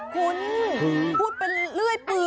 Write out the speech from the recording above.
คุณพูดเป็นเลื่อยปืน